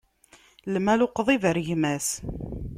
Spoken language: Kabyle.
Imlal uqḍib ar gma-s.